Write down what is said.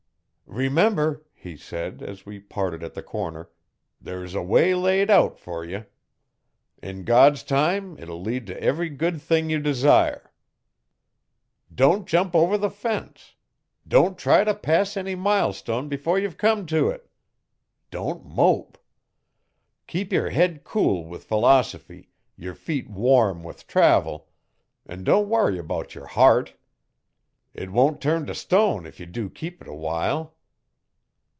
'Remember,' he said, as we parted at the corner, 'there's a way laid out fer you. In God's time it will lead to every good thing you desire. Don't jump over the fence. Don't try t' pass any milestun 'fore ye've come to it. Don't mope. Keep yer head cool with philosophy, yer feet warm with travel an' don't worry bout yer heart. It won't turn t' stun if ye do keep it awhile.